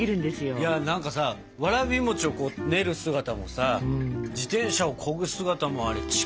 いや何かさわらび餅をこう練る姿もさ自転車をこぐ姿もあれ力強かったですよ。